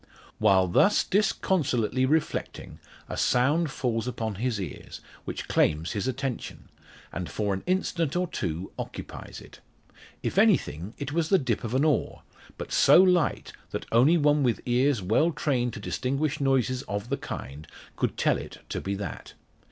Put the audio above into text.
While thus disconsolately reflecting, a sound falls upon his ears, which claims his attention, and for an instant or two occupies it. If anything, it was the dip of an oar; but so light that only one with ears well trained to distinguish noises of the kind could tell it to be that.